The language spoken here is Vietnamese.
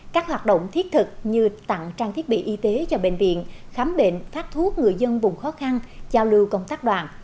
các hoạt động thiết thực như tặng trang thiết bị y tế cho bệnh viện khám bệnh phát thuốc người dân vùng khó khăn giao lưu công tác đoàn